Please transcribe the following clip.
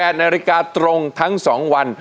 นาฬิกาตรงทั้ง๒วัน